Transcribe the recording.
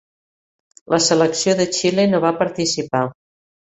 La selecció de Xile no va participar.